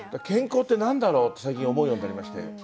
健康って何だろうって最近思うようになりまして。